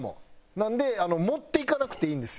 なので持って行かなくていいんですよ。